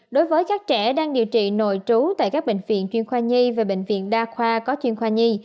đối với các trẻ đang điều trị nội trú tại các bệnh viện chuyên khoa nhi và bệnh viện đa khoa có chuyên khoa nhi